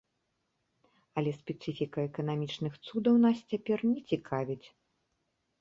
Але спецыфіка эканамічных цудаў нас цяпер не цікавіць.